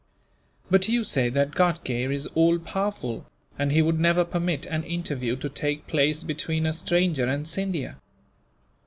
"But you say that Ghatgay is all powerful, and he would never permit an interview to take place between a stranger and Scindia."